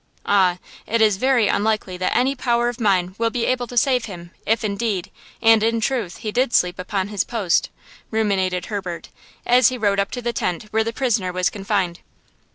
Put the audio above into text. Ah, it is very unlikely that any power of mine will be able to save him if indeed, and in truth, he did sleep upon his post," ruminated Herbert, as he rode up to the tent where the prisoner was confined.